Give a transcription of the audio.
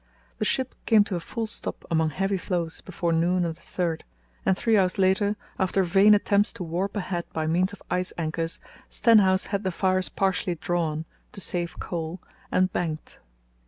The ship came to a full stop among heavy floes before noon on the 3rd, and three hours later, after vain attempts to warp ahead by means of ice anchors, Stenhouse had the fires partially drawn (to save coal) and banked.